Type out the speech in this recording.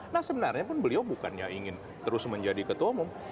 nah sebenarnya pun beliau bukannya ingin terus menjadi ketua umum